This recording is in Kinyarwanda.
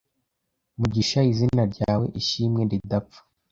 Mugisha izina ryawe ishimwe ridapfa